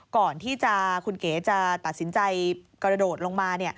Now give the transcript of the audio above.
ก่อนที่คุณเก๋จะตัดสินใจกระโดดลงมา